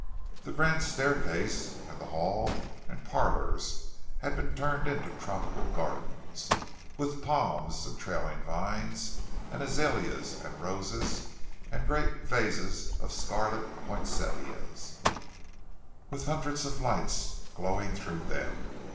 The grand staircase and the hall and parlours had been turned into tropical gardens, with palms and trailing vines, and azaleas and roses, and great vases of scarlet poinsettia, with hundreds of lights glowing through them.